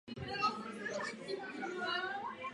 Alvin silně pociťuje svou odlišnost.